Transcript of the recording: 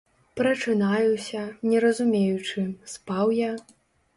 Прачынаюся, не разумеючы, спаў я?